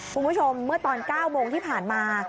คุณผู้ชมเมื่อตอน๙โมงที่ผ่านมา